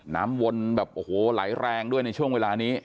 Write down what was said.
วนแบบโอ้โหไหลแรงด้วยในช่วงเวลานี้